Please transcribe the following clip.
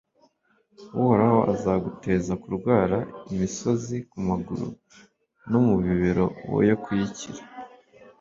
uhoraho azaguteza kurwara imisozi ku maguru no mu bibero, woye kuyikira: